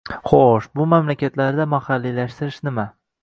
Xo‘sh, bu mamlakatda mahalliylashtirish nima?